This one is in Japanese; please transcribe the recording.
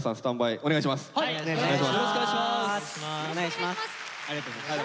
お願いします。